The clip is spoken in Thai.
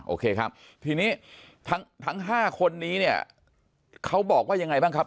โอเคครับทีนี้ทั้ง๕คนนี้เนี่ยเขาบอกว่ายังไงบ้างครับ